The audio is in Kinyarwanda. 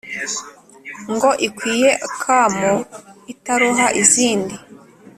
Ngo ikwiye akamo itaroha izindi